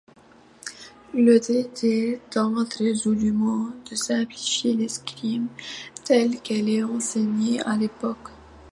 Le traité tente résolument de simplifier l'escrime telle qu'elle est enseignée à l'époque.